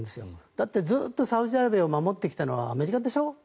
だってずっとサウジアラビアを守ってきたのはアメリカでしょ。